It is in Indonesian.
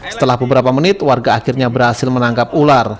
setelah beberapa menit warga akhirnya berhasil menangkap ular